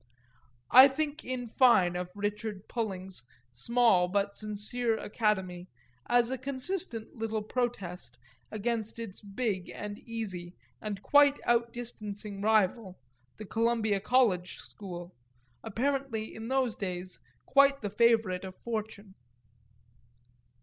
I think in fine of Richard Pulling's small but sincere academy as a consistent little protest against its big and easy and quite out distancing rival, the Columbia College school, apparently in those days quite the favourite of fortune.